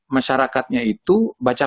masyarakatnya itu baca